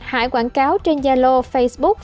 hải quảng cáo trên gia lô facebook